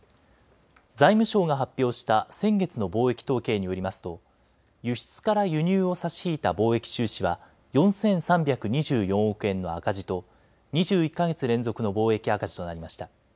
財務省が発表した先月の貿易統計によりますと輸出から輸入を差し引いた貿易収支は４３２４億円の赤字と２１か月連続の貿易赤字となりました。